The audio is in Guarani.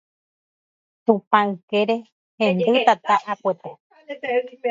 Tupa ykére hendy tata akuete